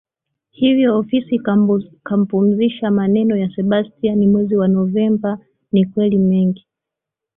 hivyo ofisi ikampumzisha Maneno ya Sebastian mwezi wa novemba Ni kweli mengi